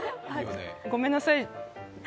ごめんなさい。